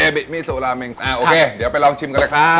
บิมิซูลาเมงอ่าโอเคเดี๋ยวไปลองชิมกันเลยครับ